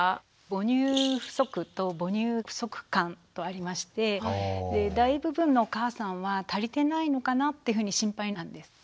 「母乳不足」と「母乳不足感」とありまして大部分のお母さんは足りてないのかなってふうに心配になってると。